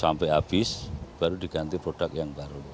sampai habis baru diganti produk yang baru